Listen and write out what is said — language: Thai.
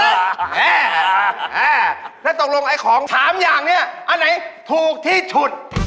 แห้แห้ถ้าตกลงไอ้ของถามอย่างนี่อันไหนถูกที่ฉุด